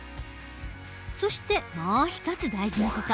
そしてもう一つ大事な事。